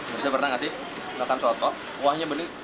mirsa pernah nggak sih makan soto kuahnya bening